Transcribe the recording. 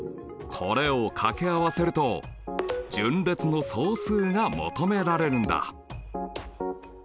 これをかけ合わせると順列の総数が求められるんだ。